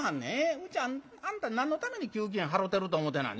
うちはあんた何のために給金払てると思てなはんねん。